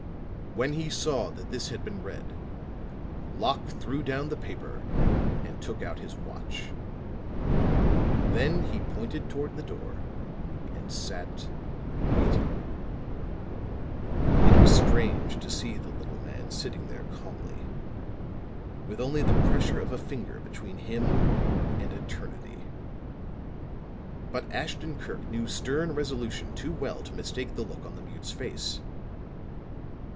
When he saw that this had been read, Locke threw down the paper and took out his watch. Then he pointed toward the door and sat waiting. It was strange to see the little man sitting there calmly, with only the pressure of a finger between him and eternity. But Ashton Kirk knew stern resolution too well to mistake the look on the mute's face.